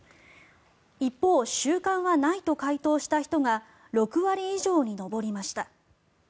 一方、習慣はないと回答した人が６割以上に上りました。